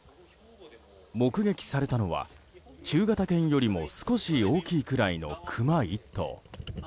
目撃されたのは中型犬よりも少し大きいくらいのクマ１頭。